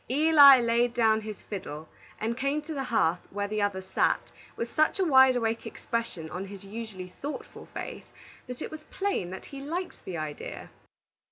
Eli laid down his fiddle and came to the hearth where the others sat, with such a wide awake expression on his usually thoughtful face that it was plain that he liked the idea.